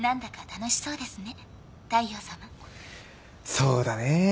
そうだね。